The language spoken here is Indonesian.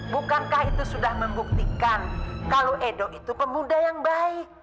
bukankah itu sudah membuktikan kalau edo itu pemuda yang baik